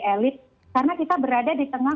elit karena kita berada di tengah